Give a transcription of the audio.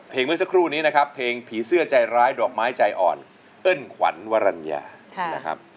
เมื่อสักครู่นี้นะครับเพลงผีเสื้อใจร้ายดอกไม้ใจอ่อนเอิ้นขวัญวรรณญานะครับ